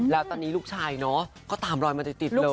แล้วตอนนี้ลูกชายเนาะก็ตามรอยมาติดเลย